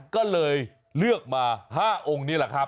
ก็เลยเลือกมา๕องค์นี้แหละครับ